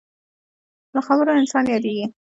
له خبرو انسان یادېږي.